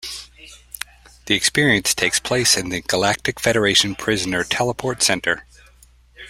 The experience takes place in the Galactic Federation Prisoner Teleport Center.